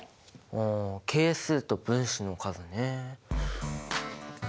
あ係数と分子の数ね。